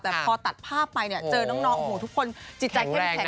แต่พอตัดภาพไปเจอน้องทุกคนจิตใจแข็งมาก